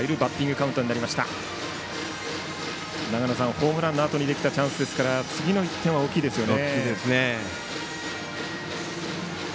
ホームランのあとにできたチャンスですから次の１点は大きいですよね。